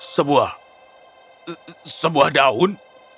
sebuah sebuah daun